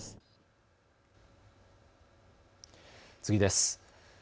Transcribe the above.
次です。